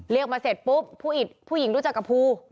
เรียกมาเสร็จปุ๊บผู้หญิงรู้จักกับภู